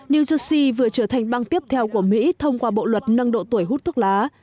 new jersey vừa trở thành bang tiếp theo của mỹ thông qua bộ luật nâng độ tuổi hút thuốc lá